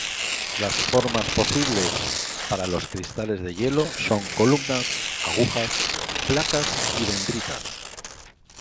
Las formas posibles para los cristales de hielo son columnas, agujas, placas y dendritas.